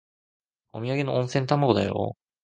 おみやげの温泉卵だよ。